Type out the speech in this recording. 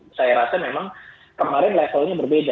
nah itu saya rasa memang kemarin levelnya berbeda